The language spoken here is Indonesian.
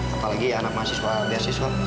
apalagi anak mahasiswa beasiswa